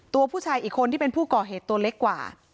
ตัวผู้ชายอีกคนที่เป็นผู้ก่อเหตุตัวเล็กกว่า